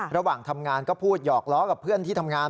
ระหว่างทำงานก็พูดหยอกล้อกับเพื่อนที่ทำงาน